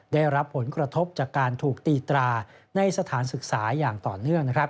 ได้รับผลกระทบจากการถูกตีตราในสถานศึกษาอย่างต่อเนื่อง